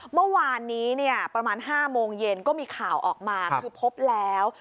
เมื่อวานนี้เนี่ยประมาณ๕โมงเย็นก็มีข่าวออกมาคือพบแล้ว